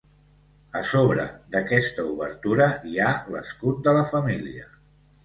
A sobre d'aquesta obertura hi ha l'escut de la família.